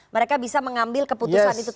mereka bisa mengambil keputusan itu